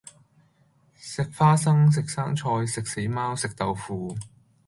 食花生，食生菜，食死貓，食豆腐